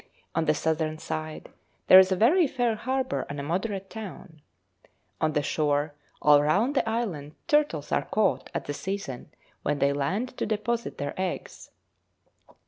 On the southern side there is a very fair harbour and a moderate town. On the shore all round the island turtles are caught at the season when they land to deposit their eggs.